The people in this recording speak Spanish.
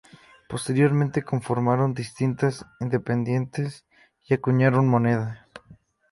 Posteriormente conformaron dinastías independientes y acuñaron moneda.